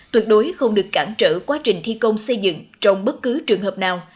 tuyệt đối không được cản trở quá trình thi công xây dựng trong bất cứ trường hợp nào